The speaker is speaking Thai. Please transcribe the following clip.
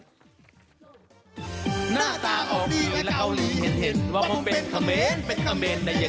อุ้มเป็นนักร้องอิสระหลังไหนรัสพุสัตว์เด็กโฟนโรครอสเปสปลาแฟสชัน